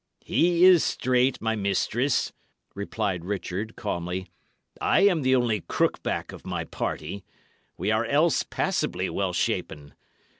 "He is straight, my mistress," replied Richard, calmly. "I am the only crookback of my party; we are else passably well shapen.